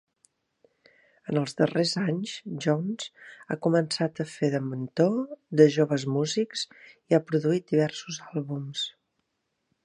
En els darrers anys Jones ha començat a fer de mentor de joves músics i ha produït diversos àlbums.